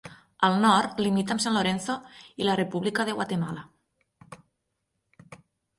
Al nord, limita amb San Lorenzo i la República de Guatemala.